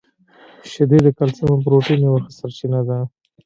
• شیدې د کلسیم او پروټین یوه ښه سرچینه ده.